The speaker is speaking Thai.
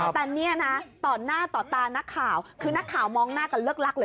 แต่เนี่ยนะต่อหน้าต่อตานักข่าวคือนักข่าวมองหน้ากันเลิกลักเลย